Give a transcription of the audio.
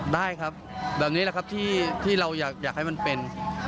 ได้ครับแบบนี้แหละครับที่เราอยากให้มันเป็น